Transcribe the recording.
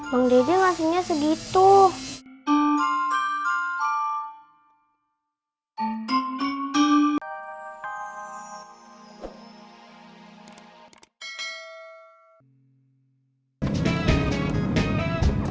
uang dede maksudnya segitu